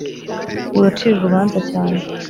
uracira urubanza cyane.